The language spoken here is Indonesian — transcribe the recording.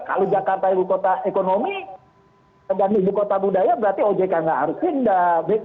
kalau jakarta ibu kota ekonomi dan ibu kota budaya berarti ojk nggak harus pindah